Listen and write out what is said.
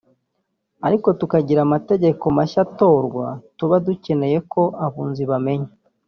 ariko tugira amategeko mashya atorwa tuba dukeneye ko Abunzi bamenya